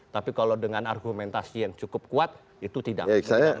tapi kalau dengan argumentasi yang cukup kuat itu tidak bisa